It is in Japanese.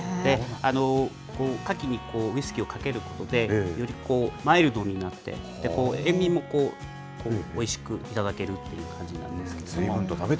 カキにウイスキーをかけることで、よりマイルドになって、塩みもおいしく頂けるっていう感じなんですけども。